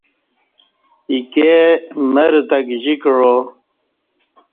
ایکے مر تہ گجیکعا